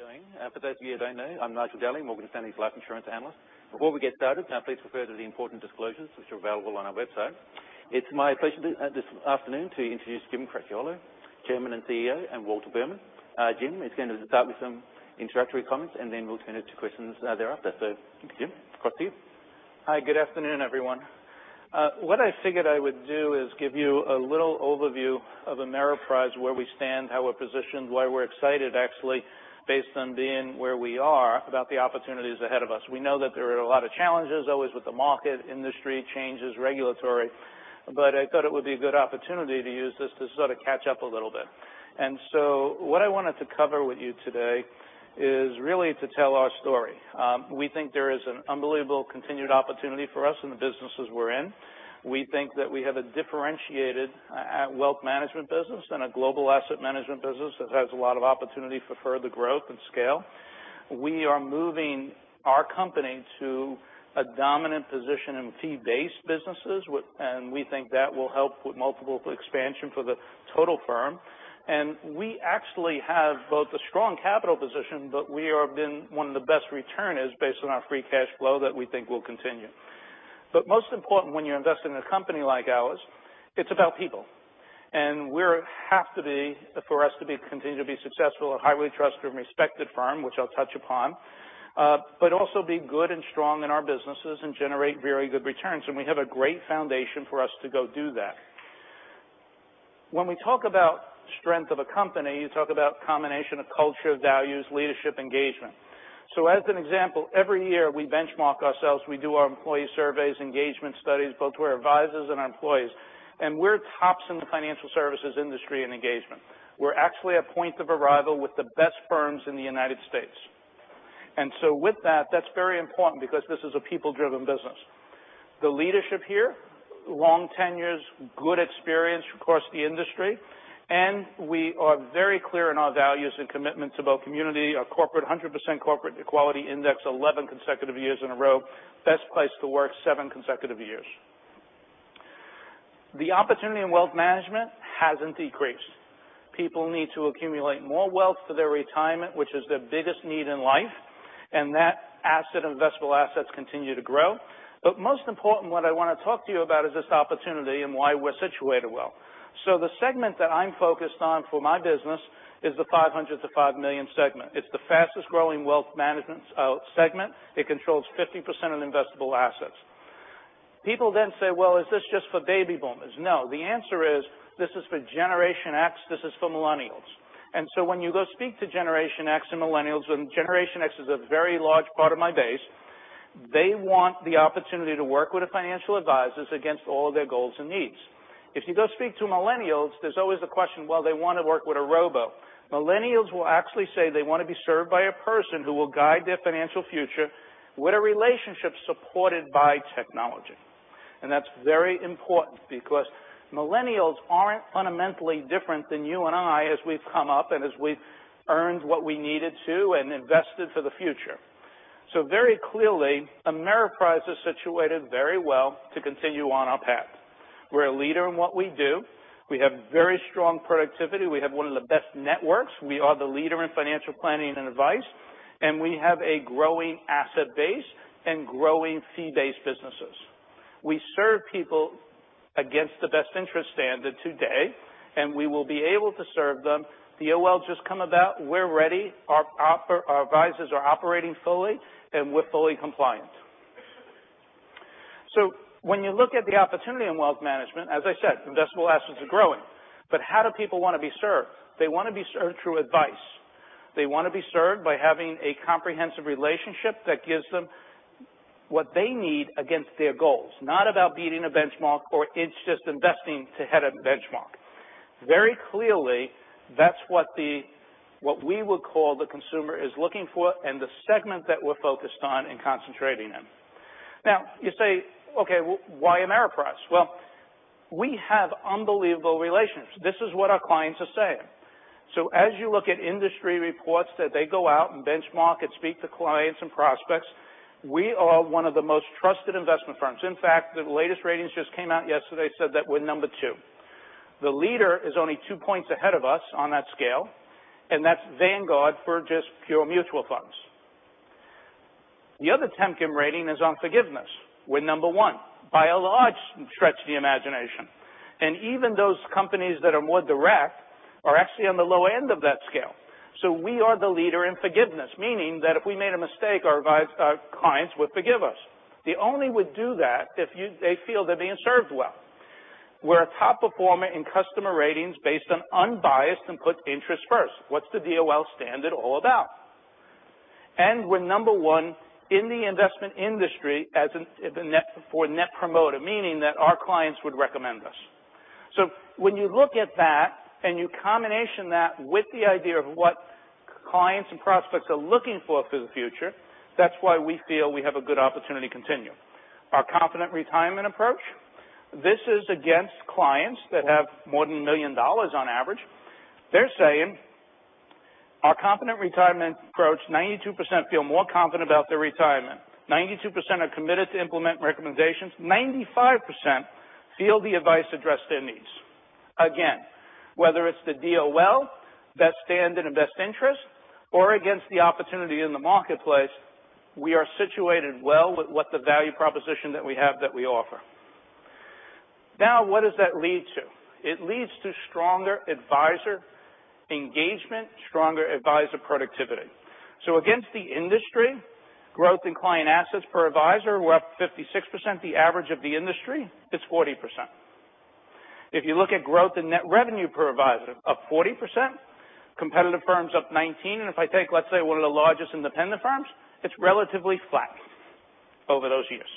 How you doing? For those of you who don't know, I'm Nigel Dally, Morgan Stanley's life insurance analyst. Before we get started, please refer to the important disclosures which are available on our website. It's my pleasure this afternoon to introduce Jim Cracchiolo, Chairman and CEO, and Walter Berman. Jim is going to start with some introductory comments, and then we'll turn it to questions thereafter. Thank you, Jim. Across to you. Hi, good afternoon, everyone. What I figured I would do is give you a little overview of Ameriprise, where we stand, how we're positioned, why we're excited, actually, based on being where we are about the opportunities ahead of us. We know that there are a lot of challenges, always with the market, industry changes, regulatory. I thought it would be a good opportunity to use this to sort of catch up a little bit. What I wanted to cover with you today is really to tell our story. We think there is an unbelievable continued opportunity for us in the businesses we're in. We think that we have a differentiated wealth management business and a global asset management business that has a lot of opportunity for further growth and scale. We are moving our company to a dominant position in fee-based businesses, and we think that will help with multiple expansion for the total firm. We actually have both a strong capital position, but we have been one of the best returners based on our free cash flow that we think will continue. Most important when you invest in a company like ours, it's about people. We have to be, for us to continue to be successful, a highly trusted and respected firm, which I'll touch upon, but also be good and strong in our businesses and generate very good returns. We have a great foundation for us to go do that. When we talk about strength of a company, you talk about combination of culture, values, leadership, engagement. As an example, every year, we benchmark ourselves. We do our employee surveys, engagement studies, both to our advisors and our employees. We're tops in the financial services industry in engagement. We're actually at point of arrival with the best firms in the U.S. With that's very important because this is a people-driven business. The leadership here, long tenures, good experience across the industry, and we are very clear in our values and commitments about community, our 100% corporate equality index, 11 consecutive years in a row. Best place to work, seven consecutive years. The opportunity in wealth management hasn't decreased. People need to accumulate more wealth for their retirement, which is their biggest need in life, and that asset, investable assets continue to grow. Most important, what I want to talk to you about is this opportunity and why we're situated well. The segment that I'm focused on for my business is the $500-$5 million segment. It's the fastest growing wealth management segment. It controls 50% of investable assets. People say, "Well, is this just for baby boomers?" No. The answer is, this is for Generation X, this is for millennials. When you go speak to Generation X and millennials, and Generation X is a very large part of my base, they want the opportunity to work with financial advisors against all their goals and needs. If you go speak to millennials, there's always the question, well, they want to work with a robo. Millennials will actually say they want to be served by a person who will guide their financial future with a relationship supported by technology. That's very important because millennials aren't fundamentally different than you and I as we've come up and as we've earned what we needed to and invested for the future. Very clearly, Ameriprise is situated very well to continue on our path. We're a leader in what we do. We have very strong productivity. We have one of the best networks. We are the leader in financial planning and advice, and we have a growing asset base and growing fee-based businesses. We serve people against the best interest standard today, and we will be able to serve them. DOL just come about, we're ready. Our advisors are operating fully, and we're fully compliant. When you look at the opportunity in wealth management, as I said, investable assets are growing. How do people want to be served? They want to be served through advice. They want to be served by having a comprehensive relationship that gives them what they need against their goals, not about beating a benchmark or it's just investing to hit a benchmark. Very clearly, that's what we would call the consumer is looking for and the segment that we're focused on and concentrating in. You say, "Okay, why Ameriprise?" Well, we have unbelievable relations. This is what our clients are saying. As you look at industry reports that they go out and benchmark and speak to clients and prospects, we are one of the most trusted investment firms. In fact, the latest ratings just came out yesterday said that we're number two. The leader is only two points ahead of us on that scale, and that's Vanguard for just pure mutual funds. The other Temkin rating is on forgiveness. We're number one by a large stretch of the imagination. Even those companies that are more direct are actually on the low end of that scale. We are the leader in forgiveness, meaning that if we made a mistake, our clients would forgive us. They only would do that if they feel they're being served well. We're a top performer in customer ratings based on unbiased and put interest first. What's the DOL standard all about? We're number one in the investment industry for Net Promoter, meaning that our clients would recommend us. When you look at that and you combination that with the idea of what clients and prospects are looking for for the future, that's why we feel we have a good opportunity to continue. Our Confident Retirement approach, this is against clients that have more than $1 million on average. They're saying our Confident Retirement approach, 92% feel more confident about their retirement. 92% are committed to implement recommendations. 95% feel the advice addressed their needs. Again, whether it's the DOL, best standard and best interest, or against the opportunity in the marketplace, we are situated well with what the value proposition that we have that we offer. What does that lead to? It leads to stronger advisor engagement, stronger advisor productivity. Against the industry growth in client assets per advisor, we're up 56%, the average of the industry, it's 40%. If you look at growth in net revenue per advisor, up 40%, competitive firms up 19%. If I take, let's say, one of the largest independent firms, it's relatively flat over those years.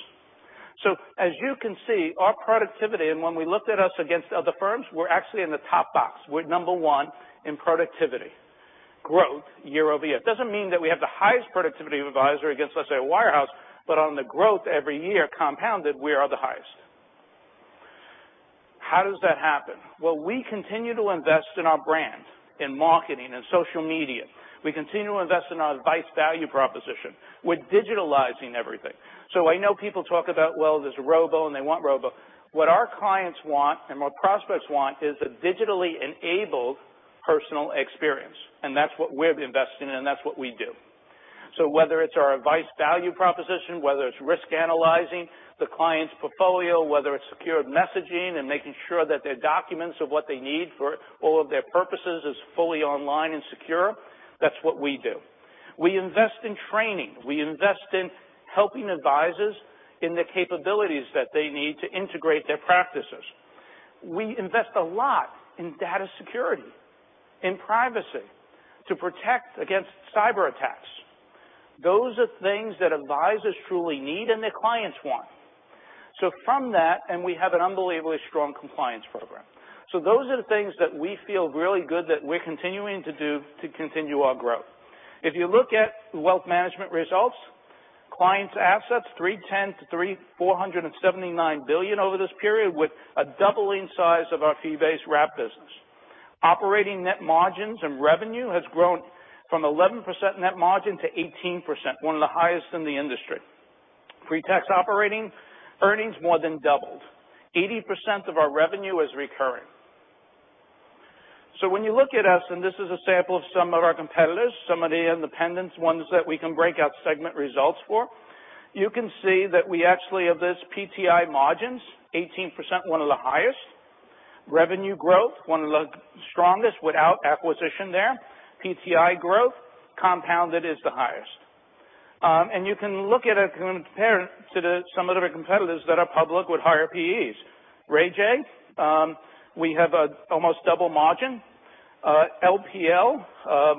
As you can see, our productivity, and when we looked at us against other firms, we're actually in the top box. We're number one in productivity growth year-over-year. It doesn't mean that we have the highest productivity of advisor against, let's say, a wirehouse, but on the growth every year compounded, we are the highest. How does that happen? We continue to invest in our brand, in marketing, in social media. We continue to invest in our advice value proposition. We're digitalizing everything. I know people talk about, there's robo and they want robo. What our clients want and what prospects want is a digitally enabled personal experience. That's what we've invested in, and that's what we do. Whether it's our advice value proposition, whether it's risk analyzing the client's portfolio, whether it's secured messaging and making sure that their documents of what they need for all of their purposes is fully online and secure, that's what we do. We invest in training. We invest in helping advisors in the capabilities that they need to integrate their practices. We invest a lot in data security, in privacy to protect against cyber attacks. Those are things that advisors truly need and their clients want. From that, and we have an unbelievably strong compliance program. Those are the things that we feel really good that we're continuing to do to continue our growth. If you look at wealth management results, clients assets, $310 billion to $379 billion over this period with a doubling size of our fee-based wrap business. Operating net margins and revenue has grown from 11% net margin to 18%, one of the highest in the industry. Pre-tax operating earnings more than doubled. 80% of our revenue is recurring. When you look at us, and this is a sample of some of our competitors, some of the independents ones that we can break out segment results for, you can see that we actually have this PTI margins, 18%, one of the highest. Revenue growth, one of the strongest without acquisition there. PTI growth compounded is the highest. You can look at it compared to some of the competitors that are public with higher PEs. RayJay, we have almost double margin. LPL,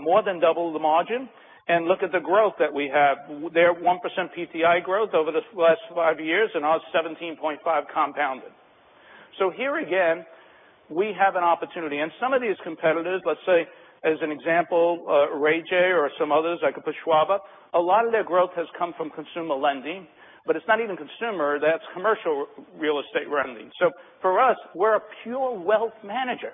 more than double the margin. Look at the growth that we have. Their 1% PTI growth over the last five years and our 17.5% compounded. Here again, we have an opportunity. Some of these competitors, let's say, as an example, RayJay or some others, I could put Schwab, a lot of their growth has come from consumer lending, but it's not even consumer, that's commercial real estate lending. For us, we're a pure wealth manager,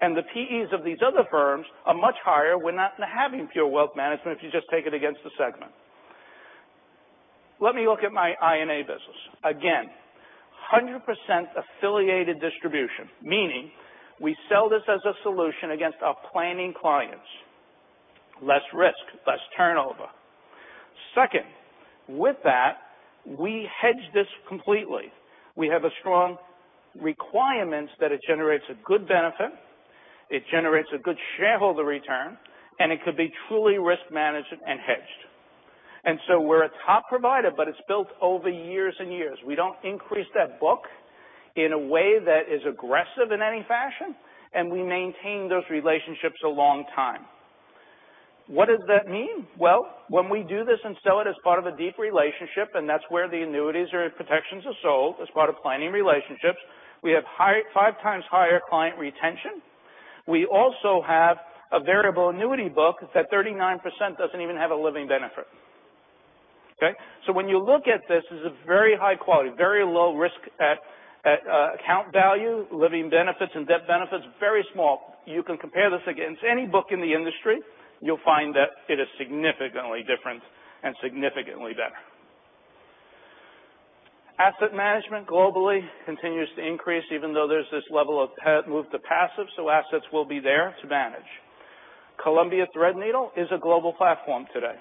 and the PEs of these other firms are much higher. We're not having pure wealth management if you just take it against the segment. Let me look at my I&A business. Again, 100% affiliated distribution, meaning we sell this as a solution against our planning clients. Less risk, less turnover. Second, with that, we hedge this completely. We have a strong requirements that it generates a good benefit, it generates a good shareholder return, and it could be truly risk managed and hedged. We're a top provider, but it's built over years and years. We don't increase that book in a way that is aggressive in any fashion, and we maintain those relationships a long time. What does that mean? Well, when we do this and sell it as part of a deep relationship, and that's where the annuities or protections are sold, as part of planning relationships, we have five times higher client retention. We also have a variable annuity book that 39% doesn't even have a living benefit. Okay? When you look at this as a very high quality, very low risk at account value, living benefits and death benefits, very small. You can compare this against any book in the industry, you'll find that it is significantly different and significantly better. Asset management globally continues to increase even though there's this level of move to passive, so assets will be there to manage. Columbia Threadneedle is a global platform today.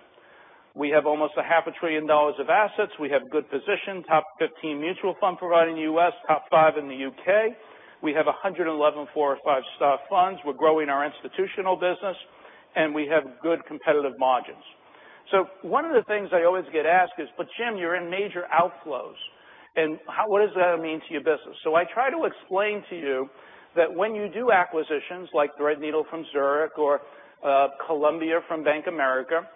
We have almost a half a trillion dollars of assets. We have good position, top 15 mutual fund provider in the U.S., top five in the U.K. We have 111 four or five star funds. We're growing our institutional business, and we have good competitive margins. One of the things I always get asked is, "Jim, you're in major outflows. What does that mean to your business?" I try to explain to you that when you do acquisitions like Threadneedle from Zurich or Columbia from Bank of America,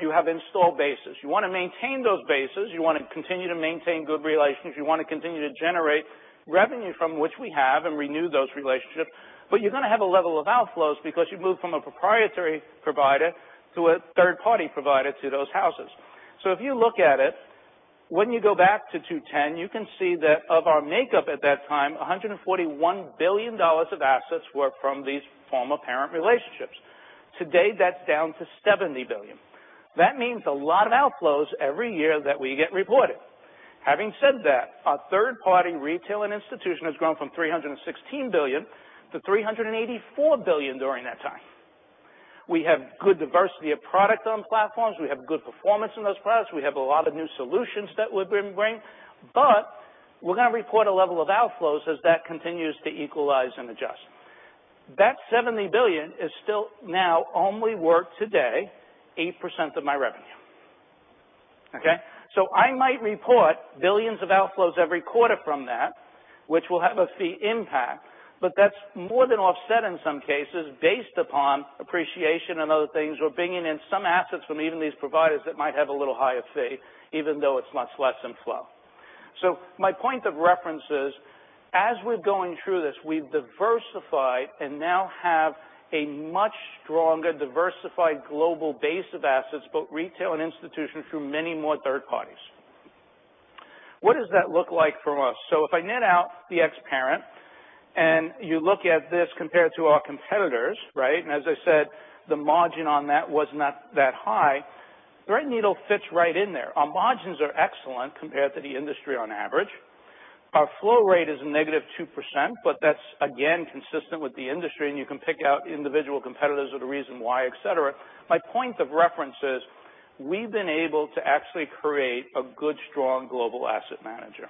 you have install bases. You want to maintain those bases. You want to continue to maintain good relations. You want to continue to generate revenue from which we have and renew those relationships. You're going to have a level of outflows because you've moved from a proprietary provider to a third-party provider to those houses. If you look at it, when you go back to 2010, you can see that of our makeup at that time, $141 billion of assets were from these former parent relationships. Today, that's down to $70 billion. That means a lot of outflows every year that we get reported. Having said that, our third party retail and institution has grown from $316 billion to $384 billion during that time. We have good diversity of product on platforms. We have good performance in those products. We have a lot of new solutions that we've been bringing. We're going to report a level of outflows as that continues to equalize and adjust. That $70 billion is still now only worth today 8% of my revenue. Okay? I might report $ billions of outflows every quarter from that, which will have a fee impact, but that's more than offset in some cases, based upon appreciation and other things. We're bringing in some assets from even these providers that might have a little higher fee, even though it's much less in flow. My point of reference is, as we're going through this, we've diversified and now have a much stronger diversified global base of assets, both retail and institution, through many more third parties. What does that look like for us? If I net out the ex-parent and you look at this compared to our competitors, right? As I said, the margin on that was not that high. Threadneedle fits right in there. Our margins are excellent compared to the industry on average. Our flow rate is -2%, that's again, consistent with the industry, you can pick out individual competitors or the reason why, et cetera. My point of reference is we've been able to actually create a good, strong global asset manager.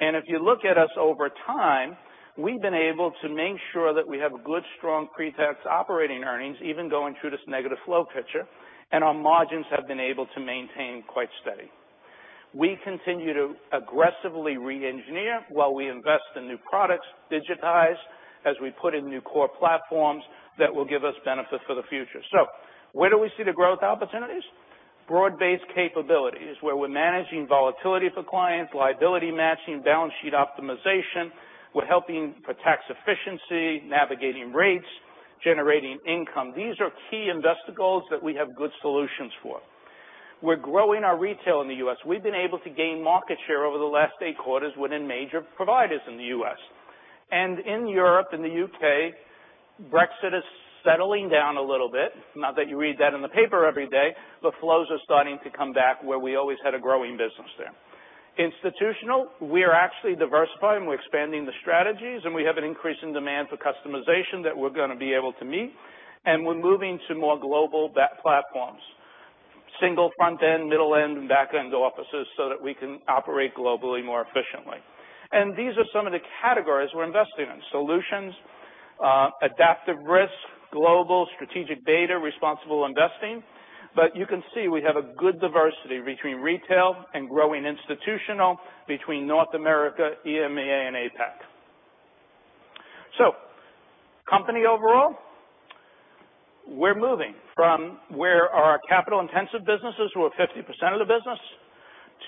If you look at us over time, we've been able to make sure that we have good, strong pre-tax operating earnings, even going through this negative flow picture. Our margins have been able to maintain quite steady. We continue to aggressively re-engineer while we invest in new products, digitize as we put in new core platforms that will give us benefit for the future. Where do we see the growth opportunities? Broad-based capabilities, where we're managing volatility for clients, liability matching, balance sheet optimization. We're helping for tax efficiency, navigating rates, generating income. These are key investor goals that we have good solutions for. We're growing our retail in the U.S. We've been able to gain market share over the last eight quarters within major providers in the U.S. In Europe and the U.K., Brexit is settling down a little bit. Not that you read that in the paper every day, flows are starting to come back where we always had a growing business there. Institutional, we are actually diversifying. We're expanding the strategies, we have an increasing demand for customization that we're going to be able to meet, we're moving to more global platforms. Single front-end, middle-end, and back-end offices so that we can operate globally more efficiently. These are some of the categories we're investing in. Solutions, adaptive risk, global strategic beta, responsible investing. You can see we have a good diversity between retail and growing institutional between North America, EMEA, and APAC. Company overall, we're moving from where our capital intensive businesses were 50% of the business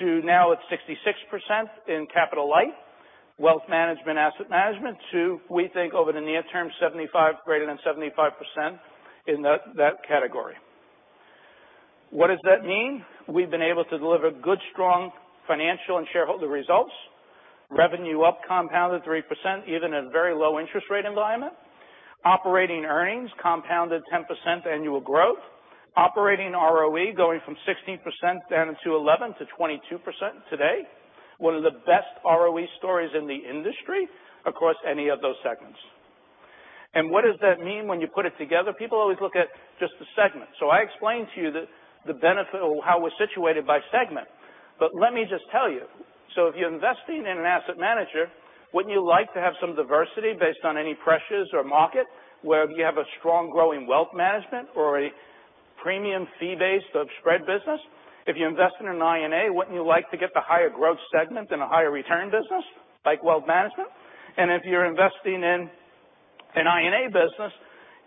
to now it's 66% in capital light, wealth management, asset management to, we think over the near term, greater than 75% in that category. What does that mean? We've been able to deliver good, strong financial and shareholder results. Revenue up compounded 3%, even in a very low interest rate environment. Operating earnings compounded 10% annual growth. Operating ROE going from 16% down to 11% to 22% today. One of the best ROE stories in the industry across any of those segments. What does that mean when you put it together? People always look at just the segment. I explained to you the benefit or how we're situated by segment, let me just tell you. If you're investing in an asset manager, wouldn't you like to have some diversity based on any pressures or market where you have a strong growing wealth management or a premium fee-based of spread business? If you invest in an I&A, wouldn't you like to get the higher growth segment and a higher return business like wealth management? If you're investing in an I&A business,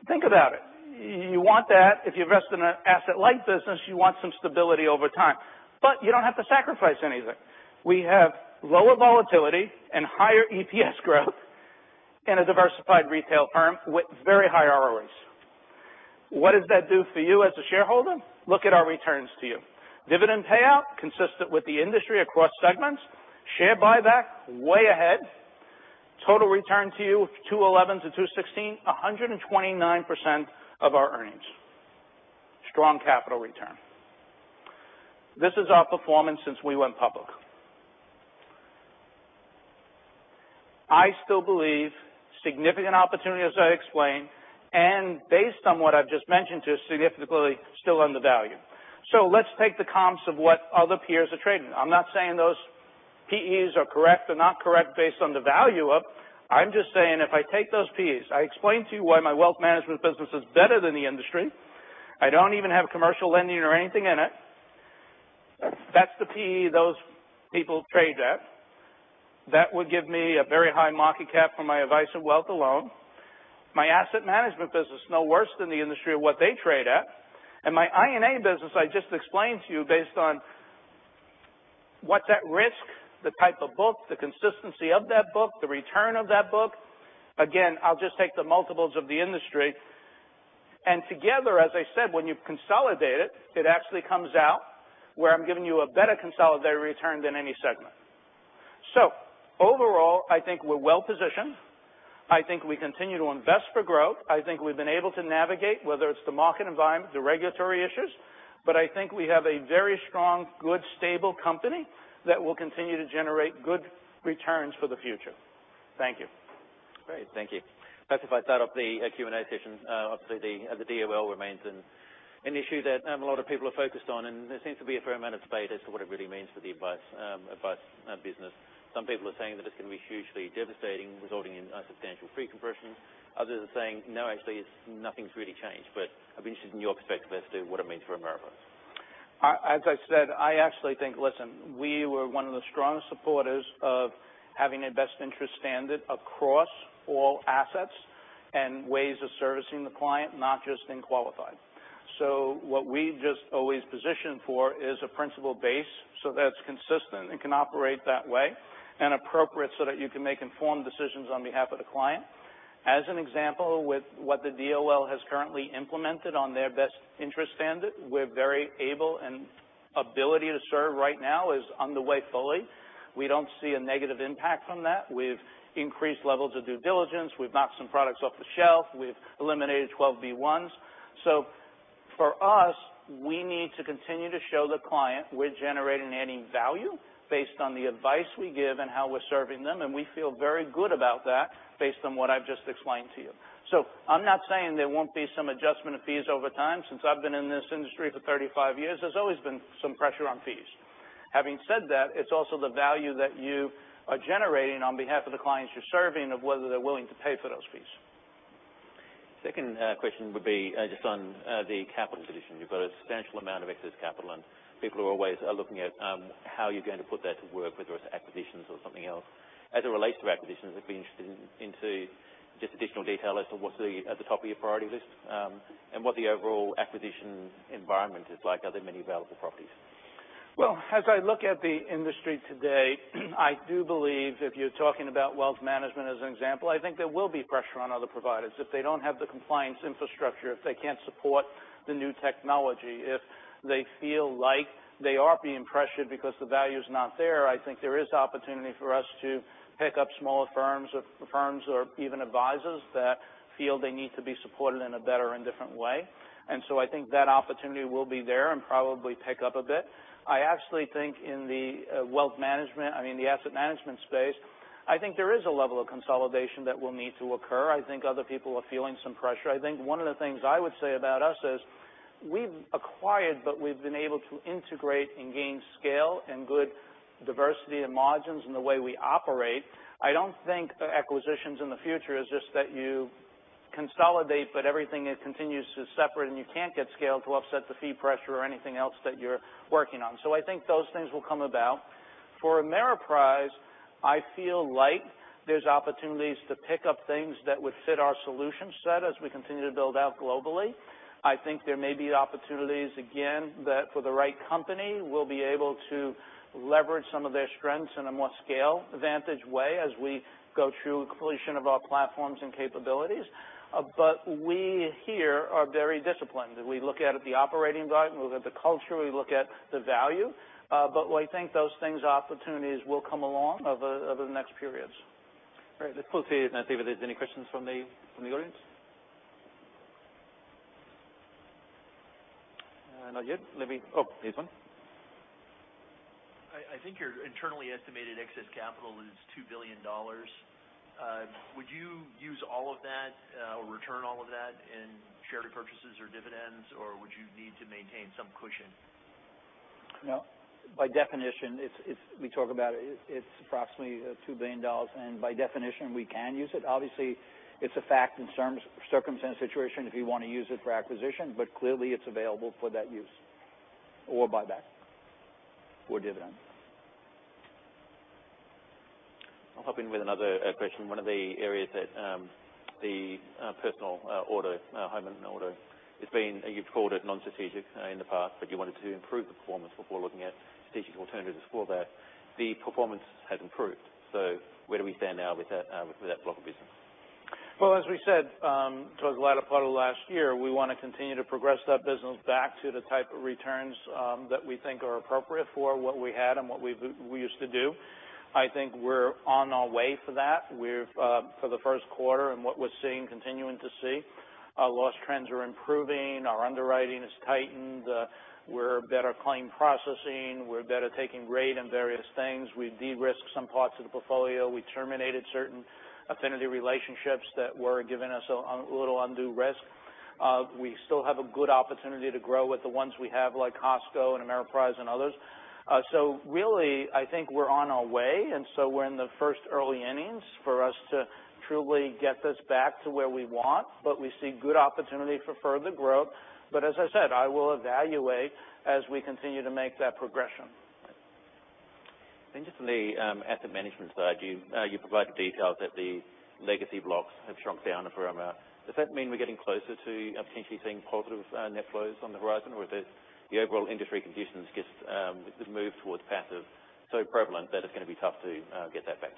think about it. You want that. If you invest in an asset light business, you want some stability over time. You don't have to sacrifice anything. We have lower volatility and higher EPS growth in a diversified retail firm with very high ROEs. What does that do for you as a shareholder? Look at our returns to you. Dividend payout consistent with the industry across segments. Share buyback way ahead. Total return to you, 2011 to 2016, 129% of our earnings. Strong capital return. This is our performance since we went public. I still believe significant opportunity, as I explained, and based on what I've just mentioned to you, significantly still undervalued. Let's take the comps of what other peers are trading. I'm not saying those PEs are correct or not correct based on the value of. I'm just saying if I take those PEs, I explained to you why my wealth management business is better than the industry. I don't even have commercial lending or anything in it. That's the PE those people trade at. That would give me a very high market cap for my advisory wealth alone. My asset management business, no worse than the industry of what they trade at. My I&A business, I just explained to you based on what's at risk, the type of book, the consistency of that book, the return of that book. Again, I'll just take the multiples of the industry. Together, as I said, when you consolidate it actually comes out where I'm giving you a better consolidated return than any segment. Overall, I think we're well-positioned. I think we continue to invest for growth. I think we've been able to navigate, whether it's the market environment, the regulatory issues, but I think we have a very strong, good, stable company that will continue to generate good returns for the future. Thank you. Great. Thank you. Perhaps if I start off the Q&A session. Obviously, the DOL remains an issue that a lot of people are focused on, and there seems to be a fair amount of debate as to what it really means for the advice business. Some people are saying that it's going to be hugely devastating, resulting in a substantial fee compression. Others are saying, "No, actually, nothing's really changed." I'd be interested in your perspective as to what it means for Ameriprise. We were one of the strongest supporters of having a best interest standard across all assets and ways of servicing the client, not just in qualified. What we've just always positioned for is a principal base so that it's consistent and can operate that way, and appropriate so that you can make informed decisions on behalf of the client. As an example, with what the DOL has currently implemented on their best interest standard, we're very able, and ability to serve right now is underway fully. We don't see a negative impact from that. We've increased levels of due diligence. We've knocked some products off the shelf. We've eliminated 12b-1s. For us, we need to continue to show the client we're generating any value based on the advice we give and how we're serving them, and we feel very good about that based on what I've just explained to you. I'm not saying there won't be some adjustment of fees over time. Since I've been in this industry for 35 years, there's always been some pressure on fees. Having said that, it's also the value that you are generating on behalf of the clients you're serving of whether they're willing to pay for those fees. Second question would be just on the capital position. You've got a substantial amount of excess capital, and people are always looking at how you're going to put that to work, whether it's acquisitions or something else. As it relates to acquisitions, I'd be interested into just additional detail as to what's at the top of your priority list, and what the overall acquisition environment is like. Are there many available properties? Well, as I look at the industry today, I do believe if you're talking about wealth management, as an example, I think there will be pressure on other providers. If they don't have the compliance infrastructure, if they can't support the new technology, if they feel like they are being pressured because the value's not there, I think there is opportunity for us to pick up smaller firms or even advisors that feel they need to be supported in a better and different way. I think that opportunity will be there and probably pick up a bit. I actually think in the asset management space, I think there is a level of consolidation that will need to occur. I think other people are feeling some pressure. I think one of the things I would say about us is we've acquired, we've been able to integrate and gain scale and good diversity and margins in the way we operate. I don't think acquisitions in the future is just that you consolidate, everything continues to separate, and you can't get scale to offset the fee pressure or anything else that you're working on. I think those things will come about. For Ameriprise, I feel like there's opportunities to pick up things that would fit our solution set as we continue to build out globally. I think there may be opportunities, again, that for the right company, we'll be able to leverage some of their strengths in a more scale vantage way as we go through completion of our platforms and capabilities. We here are very disciplined, and we look at it the operating side, we look at the culture, we look at the value. We think those things, opportunities will come along over the next periods. Great. Let's pause here and see if there's any questions from the audience. Not yet. Let me Oh, here's one. I think your internally estimated excess capital is $2 billion. Would you use all of that or return all of that in share repurchases or dividends, or would you need to maintain some cushion? No. By definition, we talk about it's approximately $2 billion. By definition, we can use it. Obviously, it's a fact and circumstance situation if you want to use it for acquisition, clearly it's available for that use or buyback or dividend. I'll hop in with another question. One of the areas that the personal auto, home and auto, you've called it non-strategic in the past, you wanted to improve the performance before looking at strategic alternatives for that. The performance has improved. Where do we stand now with that block of business? Well, as we said towards the latter part of last year, we want to continue to progress that business back to the type of returns that we think are appropriate for what we had and what we used to do. I think we're on our way for that. For the first quarter and what we're seeing, continuing to see, our loss trends are improving. Our underwriting is tightened. We're better claim processing. We're better taking rate in various things. We de-risk some parts of the portfolio. We terminated certain affinity relationships that were giving us a little undue risk. We still have a good opportunity to grow with the ones we have, like Costco and Ameriprise and others. Really, I think we're on our way, we're in the first early innings for us to truly get this back to where we want. We see good opportunity for further growth. As I said, I will evaluate as we continue to make that progression. Just on the asset management side, you provided details that the legacy blocks have shrunk down for Ameriprise. Does that mean we're getting closer to potentially seeing positive net flows on the horizon, or the overall industry conditions just move towards passive so prevalent that it's going to be tough to get that back?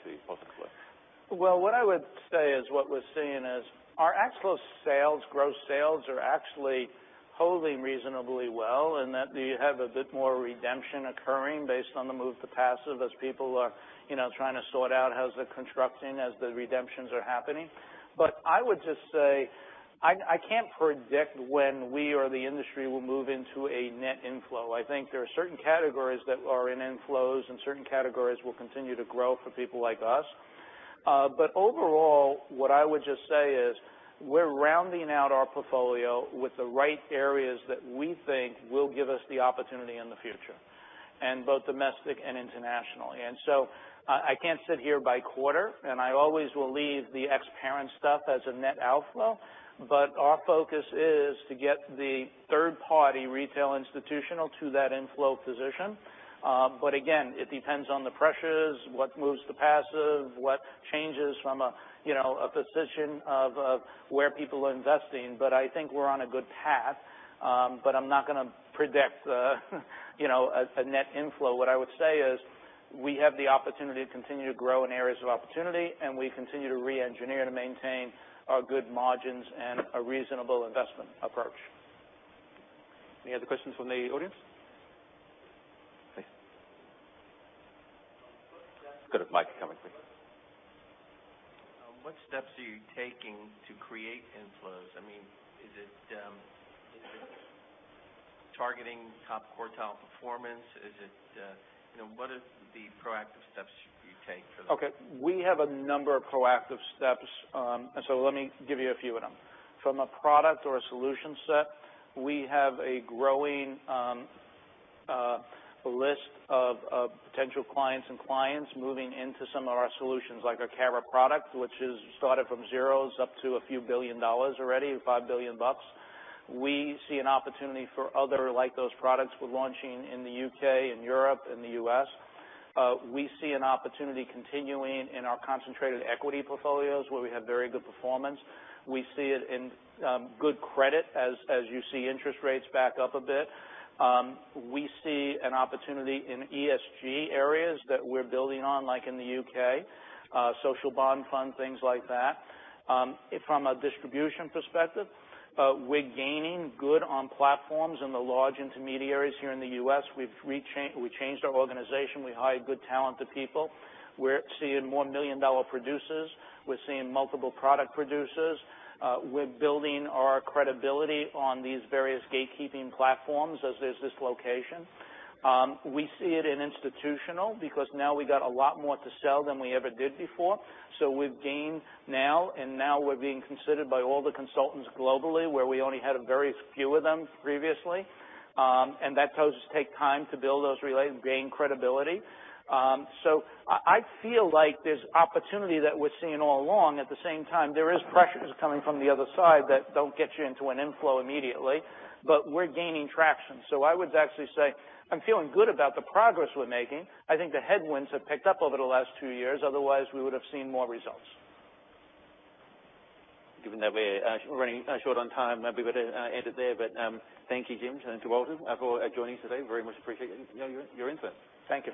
Well, what I would say is what we're seeing is our actual sales, gross sales, are actually holding reasonably well, that you have a bit more redemption occurring based on the move to passive as people are trying to sort out how's the construction as the redemptions are happening. I would just say, I can't predict when we or the industry will move into a net inflow. I think there are certain categories that are in inflows, certain categories will continue to grow for people like us. Overall, what I would just say is we're rounding out our portfolio with the right areas that we think will give us the opportunity in the future, in both domestic and internationally. I can't sit here by quarter, I always will leave the ex-parent stuff as a net outflow, our focus is to get the third-party retail institutional to that inflow position. Again, it depends on the pressures, what moves to passive, what changes from a position of where people are investing. I think we're on a good path, I'm not going to predict a net inflow. What I would say is we have the opportunity to continue to grow in areas of opportunity, we continue to re-engineer to maintain our good margins and a reasonable investment approach. Any other questions from the audience? Please. Got a mic coming for you. What steps are you taking to create inflows? Is it targeting top quartile performance? What are the proactive steps you take for that? Okay. We have a number of proactive steps. Let me give you a few of them. From a product or a solution set, we have a growing list of potential clients and clients moving into some of our solutions, like our Cara product, which is started from zero, is up to a few billion dollars already, $5 billion. We see an opportunity for other like those products we're launching in the U.K., in Europe, in the U.S. We see an opportunity continuing in our concentrated equity portfolios where we have very good performance. We see it in good credit as you see interest rates back up a bit. We see an opportunity in ESG areas that we're building on, like in the U.K. social bond fund, things like that. From a distribution perspective, we're gaining good on platforms in the large intermediaries here in the U.S. We changed our organization. We hired good talented people. We're seeing more million-dollar producers. We're seeing multiple product producers. We're building our credibility on these various gatekeeping platforms as there's this location. We see it in institutional because now we got a lot more to sell than we ever did before. We've gained now, and now we're being considered by all the consultants globally, where we only had a very few of them previously. That does take time to build those relations, gain credibility. I feel like there's opportunity that we're seeing all along. At the same time, there is pressures coming from the other side that don't get you into an inflow immediately, but we're gaining traction. I would actually say I'm feeling good about the progress we're making. I think the headwinds have picked up over the last two years, otherwise we would have seen more results. Given that we're running short on time, maybe we better end it there. Thank you, Jim, and to Walter, for joining us today. Very much appreciate your insight. Thank you.